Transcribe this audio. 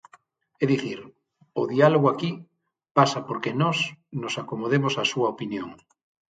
É dicir, o diálogo aquí pasa por que nós nos acomodemos á súa opinión.